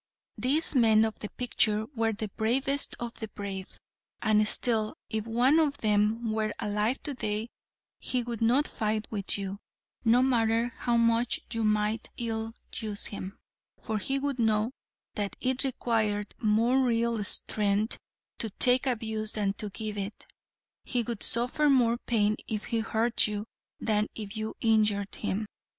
These men of the picture were the bravest of the brave, and still if one of them were alive today he would not fight with you, no matter how much you might ill use him, for he would know that it required more real strength to take abuse than to give it. He would suffer more pain if he hurt you than if you injured him.